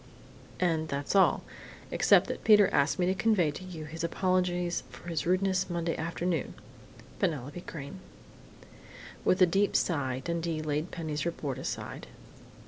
"And that's all, except that Peter asked me to convey to you his apologies for his rudeness Monday afternoon.... Penelope Crain." With a deep sigh Dundee laid Penny's report aside.